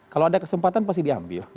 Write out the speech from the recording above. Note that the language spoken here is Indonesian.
kalau ada kesempatan pasti diambil